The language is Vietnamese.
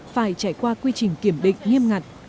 phải trải qua quy trình kiểm định nghiêm ngặt